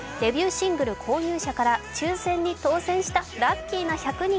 シングル購入者から抽選に当選したラッキーな１００人。